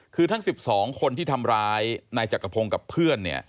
คือทั้ง๑๒คนที่ทำร้ายนายจักรพงศ์กับเพื่อนเนี่ย